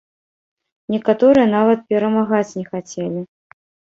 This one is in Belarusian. Некаторыя нават перамагаць не хацелі!